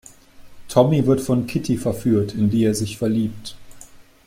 Tommy wird von Kitty verführt, in die er sich verliebt.